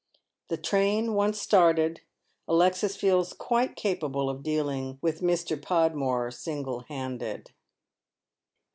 The train once started, Alexis feels quite capable of dealing witii Mr. Podmore single handed.